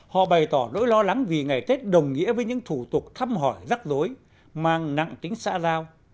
họ bày tỏ nỗi lo lắng vì ngày tết đồng nghĩa với những thủ tục thăm hỏi rắc rối mang nặng tính xã giao